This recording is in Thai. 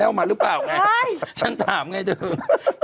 เป็นการกระตุ้นการไหลเวียนของเลือด